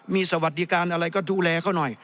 มีสวัสดิการอะไรก็ดูแลเขาหน่อย